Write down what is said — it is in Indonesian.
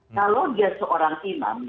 kalau dia seorang imam